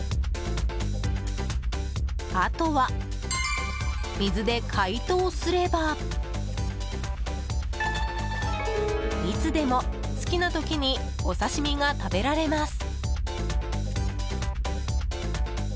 あとは水で解凍すればいつでも好きな時にお刺し身が食べられます。